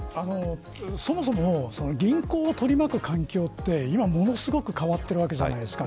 そもそも銀行を取り巻く環境って今、ものすごく変わっているわけじゃないですか